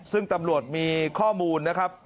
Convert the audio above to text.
ซึ่งตำรวจมีข้อมูลนะครับ